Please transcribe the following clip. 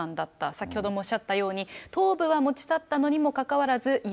先ほどもおっしゃったように、頭部は持ち去ったのにもかかわらず、指、